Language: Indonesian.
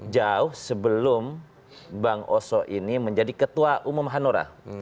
jauh sebelum bang oso ini menjadi ketua umum hanura